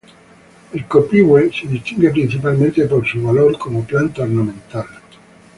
El copihue se distingue principalmente por su valor como planta ornamental.